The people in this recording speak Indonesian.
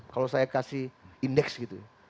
kalau saya kasih indeks gitu